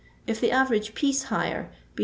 If the average piece hire be 2«.